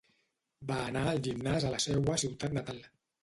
Va anar al gimnàs a la seua ciutat natal.